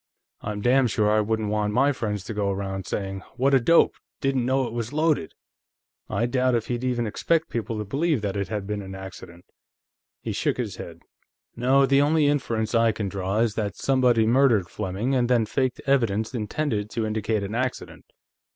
I'm damn sure I wouldn't want my friends to go around saying: 'What a dope; didn't know it was loaded!' I doubt if he'd even expect people to believe that it had been an accident." He shook his head. "No, the only inference I can draw is that somebody murdered Fleming, and then faked evidence intended to indicate an accident."